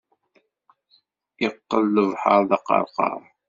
Iqqel lebḥeṛ d aqerqar.